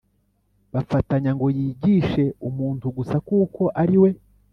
bafatanya ngo yigishije umuntu umwe gusa kuko ari we